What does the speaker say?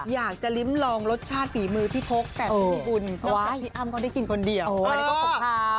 อยากจะลิ้มลองรสชาติฝีมือพี่พกแต่ไม่มีบุญเพราะว่าพี่อ้ำเขาได้กินคนเดียวอันนี้ก็ของเขา